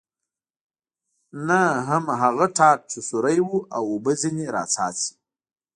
نه هم هغه ټاټ چې سوری و او اوبه ځنې را څاڅي.